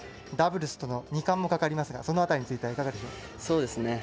ダブルスとの２冠もかかりますがその辺りについてはいかがでしょう。